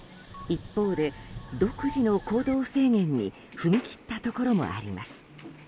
一方で、独自の行動制限に踏み切ったところもあります。